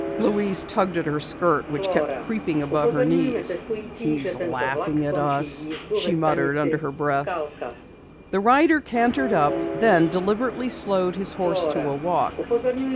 Louise tugged at her skirt which kept creeping above her knees. "He's laughing at us!" she muttered under her breath. The rider cantered up, then deliberately slowed his horse to a walk.